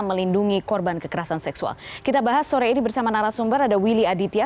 melindungi korban kekerasan seksual kita bahas sore ini bersama narasumber ada willy aditya